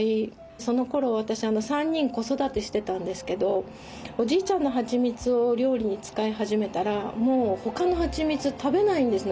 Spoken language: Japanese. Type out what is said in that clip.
そのころ私３人子育てしてたんですけどおじいちゃんのはちみつを料理に使い始めたらもう他のはちみつ食べないんですね